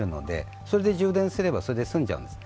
それで充電すれば済んじゃうんです。